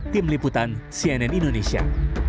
tim liputan cnn indonesia